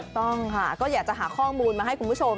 ต้องค่ะก็อยากจะหาข้อมูลมาให้คุณผู้ชม